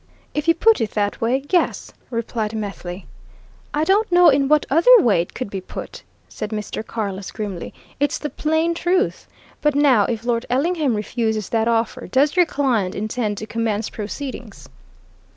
"If you put it that way yes," replied Methley. "I don't know in what other way it could be put," said Mr. Carless grimly. "It's the plain truth. But now, if Lord Ellingham refuses that offer, does your client intend to commence proceedings?"